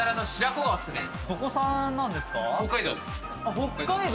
北海道。